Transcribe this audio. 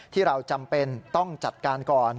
ที่เราจำเป็นต้องจัดการก่อน